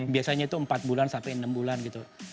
biasanya itu empat bulan sampai enam bulan gitu